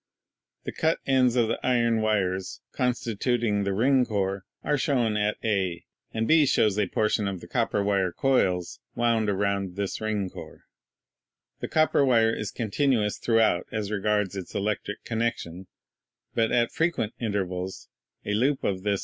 The cut ends of the iron wires con stituting the ring core are shown at A, and B shows a por tion of the copper wire coils wound around this ring core. The copper wire is continuous throughout as regards its electric connection, but at frequent intervals a loop of this Section of a Gramme Ring Armature.